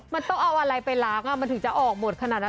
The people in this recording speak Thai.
มันต้องเอาอะไรไปล้างมันถึงจะออกหมดขนาดนั้น